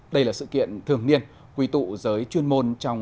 đây là sự kiện thường niên quý tụ giới chuyên môn